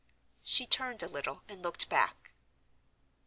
She turned a little, and looked back.